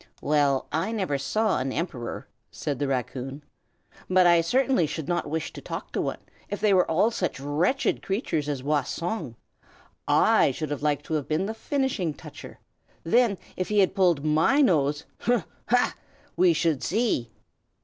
"Well, I never saw an Emperor," said the raccoon; "but I certainly should not wish to talk to one, if they are all such wretched creatures as Wah Song. I should like to have been the Finishing Toucher; then if he had pulled my nose hum! ha! we should see!"